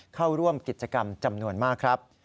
เข้าร่วมกิจกรรมจำนวนมากครับ